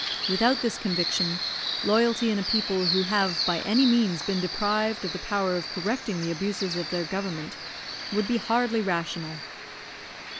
Without this conviction, loyalty in a people who have by any means been deprived of the power of correcting the abuses of their government, would be hardly rational.